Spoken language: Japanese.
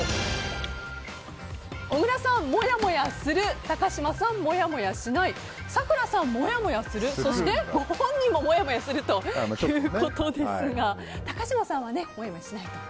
小倉さん、もやもやする高嶋さん、もやもやしない咲楽さん、もやもやするそしてご本人ももやもやするということですが高嶋さんはしないと。